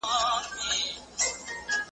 له غلامه تر باداره شرمنده یې د روزګار کې ,